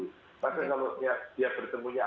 maka kalau dia pertemunya agak banyak kita bisa susianya